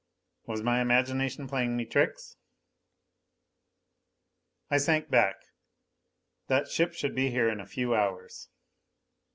Was my imagination playing me tricks?... I sank back. "That ship should be here in a few hours."